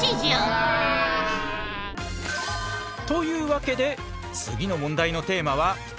わあ。というわけで次の問題のテーマは「空気」。